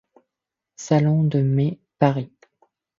Salon de Mai, Paris.